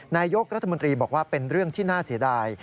นายกรัฐมนตรีบอกว่าเป็นเรื่องที่น่าเสียดาย